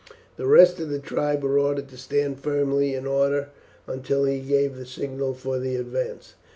The rest of the tribe were ordered to stand firmly in order until he gave the signal for the advance.